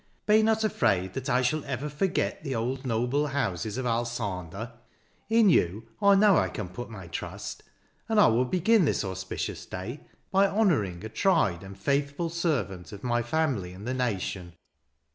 Be not afraid that I shall ever forget the old noble houses of Alsander. In you I know I can put my trust, and I will begin this auspicious day by honouring a tried and faithful servant of my family and the nation."